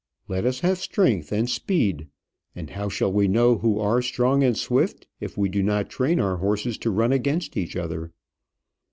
Let us have strength and speed. And how shall we know who are strong and swift if we do not train our horses to run against each other?